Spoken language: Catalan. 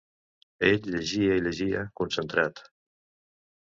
Ell llegia i llegia, concentrat.